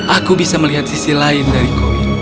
aku bisa melihat sisi lain dari koin